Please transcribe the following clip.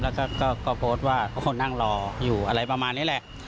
แล้วก็โพสต์ว่าก็คงนั่งรออยู่อะไรประมาณนี้แหละ